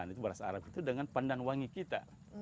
itu beras arab itu dengan pandan wangi kita